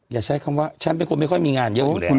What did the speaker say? อย่าใช้คำว่าฉันเป็นคนไม่ค่อยมีงานเยอะ